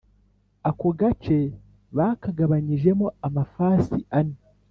Ako gace bakagabanyijemo amafasi ane